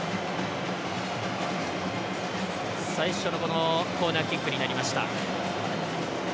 最初のコーナーキックになりました。